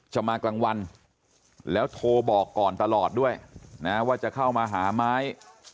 มากลางวันแล้วโทรบอกก่อนตลอดด้วยนะว่าจะเข้ามาหาไม้